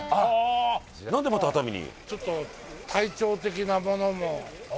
何でまた熱海に。